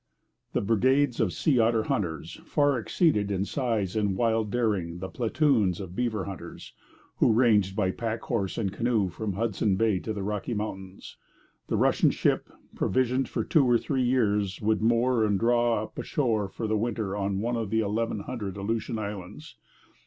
The brigades of sea otter hunters far exceeded in size and wild daring the platoons of beaver hunters, who ranged by pack horse and canoe from Hudson Bay to the Rocky Mountains. The Russian ship, provisioned for two or three years, would moor and draw up ashore for the winter on one of the eleven hundred Aleutian Islands.